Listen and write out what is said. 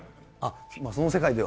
その世界では。